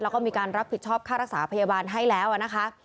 แล้วก็มีการรับผิดชอบค่ารักษาพยาบาลให้แล้วนะคะ